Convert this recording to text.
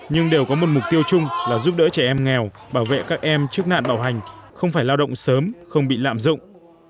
nhưng đều có một mục tiêu chung là giúp đỡ trẻ em nghèo bảo vệ các em trước nạn bảo hành không phải lao động sớm không bị lạm dụng